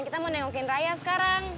kita mau nengokin raya sekarang